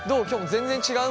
全然違う。